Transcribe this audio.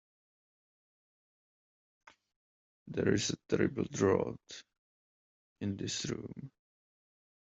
There is a terrible draught in this room